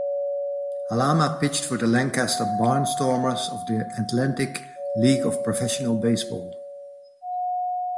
Halama pitched for the Lancaster Barnstormers of the Atlantic League of Professional Baseball.